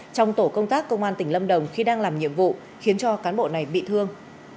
trong tổ công tác công an tỉnh lâm đồng khi đang làm nhiệm vụ khiến cho cán bộ này bị thương